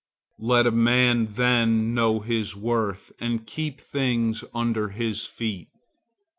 Let a man then know his worth, and keep things under his feet.